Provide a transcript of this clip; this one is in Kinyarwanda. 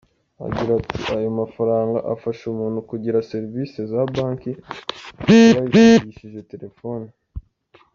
Agira ati “Ayo mafaranga afasha umuntu kugira serivisi za Banki akora yifashishije telefoni.